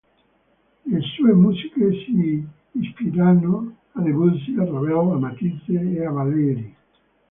Le sue musiche si ispirarono a Debussy, a Ravel, a Matisse e a Valéry.